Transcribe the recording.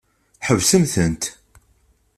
Ḥebsemt-tent!